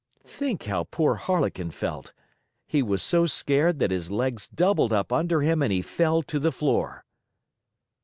Think how poor Harlequin felt! He was so scared that his legs doubled up under him and he fell to the floor.